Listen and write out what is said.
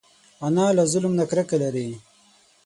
انا له ظلم نه کرکه لري